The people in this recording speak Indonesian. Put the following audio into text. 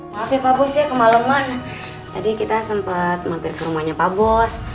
maaf ya pak bos ya kemalem kemalem tadi kita sempet mampir ke rumahnya pak bos